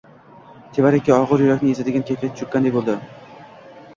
Tevarakka ogʻir, yurakni ezadigan kayfiyat choʻkkanday boʻldi.